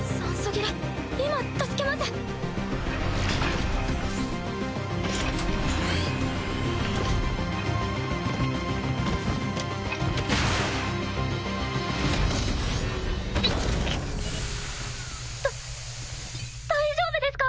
だ大丈夫ですか？